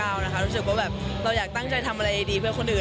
รู้สึกว่าแบบเราอยากตั้งใจทำอะไรดีเพื่อคนอื่น